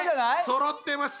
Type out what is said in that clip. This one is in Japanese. そろってます